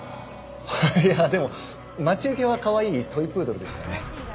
いやあでも待ち受けはかわいいトイプードルでしたね。